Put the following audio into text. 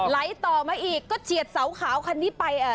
ต่อมาอีกก็เฉียดเสาขาวคันนี้ไป